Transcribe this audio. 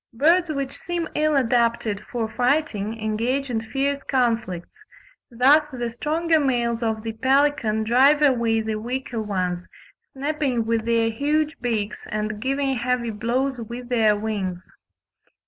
Birds which seem ill adapted for fighting engage in fierce conflicts; thus the stronger males of the pelican drive away the weaker ones, snapping with their huge beaks and giving heavy blows with their wings.